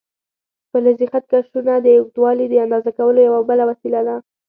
فلزي خط کشونه د اوږدوالي د اندازه کولو یوه بله وسیله ده.